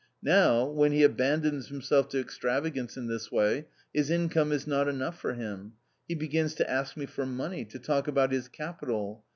Now when he abandons himself to extravagance in this way, his income is not enough for him ; he begins to ask me for money — to talk about his capital.